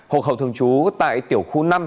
hộ khẩu thường trú tại tiểu khu năm